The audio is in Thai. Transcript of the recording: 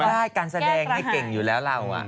ใช่การแสดงนี่เก่งอยู่แล้วเรา